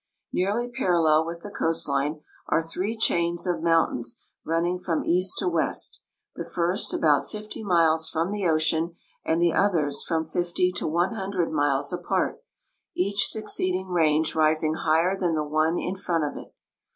Nearly parallel with the coastline are three chains of mountains running from east to west, the first about fifty miles from the ocean and the others from fifty to one hundred miles apart, each succeeding range rising higher than the one in front of it.